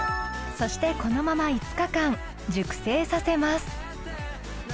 そしてこのまま５日間熟成させます。